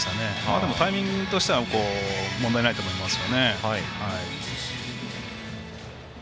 ただ、タイミングとしては問題ないと思います。